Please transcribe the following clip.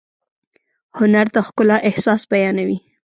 هنر د ښکلا احساس بیانوي.